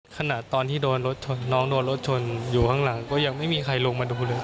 ขณะตอนที่โดนรถชนน้องโดนรถชนอยู่ข้างหลังก็ยังไม่มีใครลงมาดูเลย